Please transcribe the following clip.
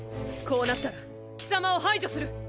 こうなったら貴様を排除する！